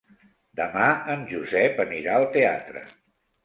Demà en Josep anirà al teatre.